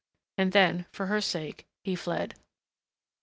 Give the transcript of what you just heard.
And then, for her sake, he fled.